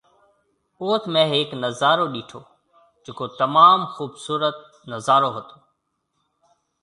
اوٿ مينهه هيڪ نظارو ڏيٺو جڪو تموم خوبصورت نظارو هتو